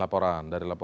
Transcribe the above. laporan dari laporan